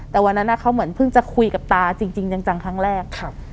แต่วันนั้นเขาเหมือนเพิ่งจะคุยกับตาจริงจังครั้งแรก